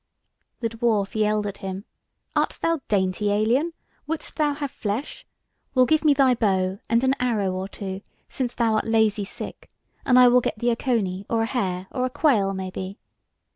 The dwarf yelled at him: "Art thou dainty, alien? Wouldst thou have flesh? Well, give me thy bow and an arrow or two, since thou art lazy sick, and I will get thee a coney or a hare, or a quail maybe.